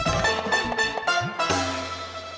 padahal ber attack